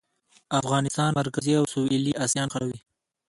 افغانستان مرکزي او سویلي اسیا نښلوي